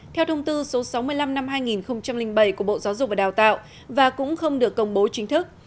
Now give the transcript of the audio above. theo thông tư số sáu mươi năm năm hai nghìn bảy của bộ giáo dục và đào tạo và cũng không được công bố chính thức